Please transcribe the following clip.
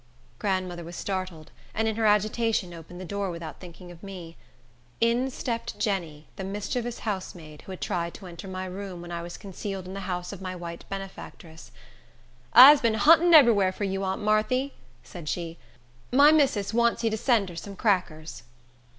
Grandmother was startled, and in her agitation opened the door, without thinking of me. In stepped Jenny, the mischievous housemaid, who had tried to enter my room, when I was concealed in the house of my white benefactress. "I's bin huntin ebery whar for you, aunt Marthy," said she. "My missis wants you to send her some crackers."